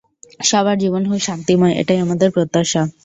সবার জীবন হোক শান্তিময় এটাই আমাদের প্রত্যাশা।